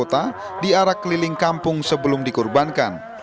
kota diarak keliling kampung sebelum dikorbankan